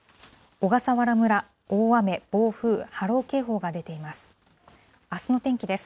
小笠原村、大雨、暴風、波浪警報が出ています。